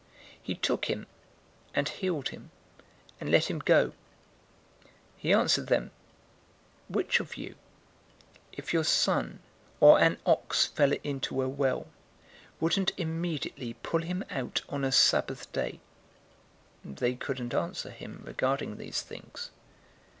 He took him, and healed him, and let him go. 014:005 He answered them, "Which of you, if your son{TR reads "donkey" instead of "son"} or an ox fell into a well, wouldn't immediately pull him out on a Sabbath day?" 014:006 They couldn't answer him regarding these things.